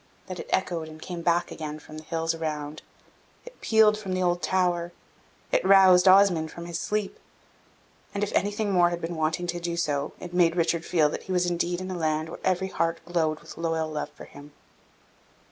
that it echoed and came back again from the hills around it pealed from the old tower it roused Osmond from his sleep and, if anything more had been wanting to do so, it made Richard feel that he was indeed in a land where every heart glowed with loyal love for him.